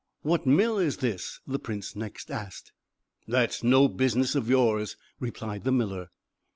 "What mill is this?" the prince next asked. "That's no business of yours," replied the miller.